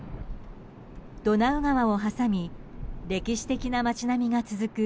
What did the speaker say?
ドナウ川を挟み歴史的な街並みが続く